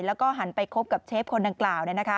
แล้วก็หันไปคบกับเชฟคนดังกล่าว